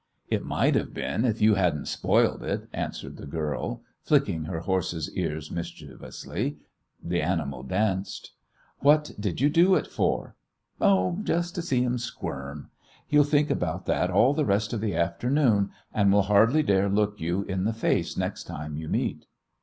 "It might have been if you hadn't spoiled it," answered the girl, flicking her horse's ears mischievously. The animal danced. "What did you do it for?" "Oh, just to see him squirm. He'll think about that all the rest of the afternoon, and will hardly dare look you in the face next time you meet."